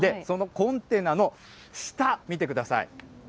そのコンテナの下、見てください。